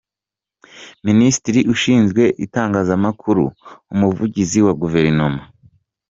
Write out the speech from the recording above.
Minisitiri ushinzwe itangazamakuru, umuvugizi wa Guverinoma